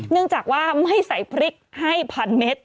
เนื่องจากว่าไม่ใส่พริกให้พันเมตร